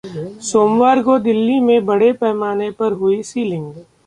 सोमवार को दिल्ली में बड़े पैमाने पर हुई सीलिंग